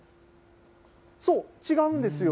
そう、違うんですよ。